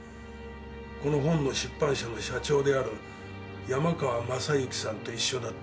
この本の出版社の社長である山川雅行さんと一緒だった。